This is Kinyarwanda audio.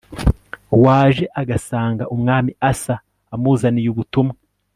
waje agasanga umwami Asa amuzaniye ubutumwa